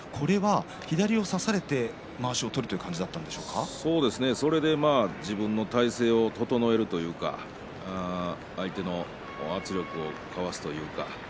左を差されてまわしを取るそれで自分の体勢を整えるというか相手の圧力をかわすというか。